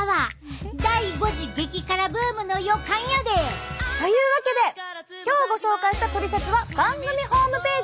第５次激辛ブームの予感やで！というわけで今日ご紹介したトリセツは番組ホームページ！